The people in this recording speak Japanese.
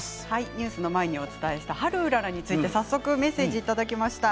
ニュースの前にお伝えしたハルウララについて早速メッセージをいただきました。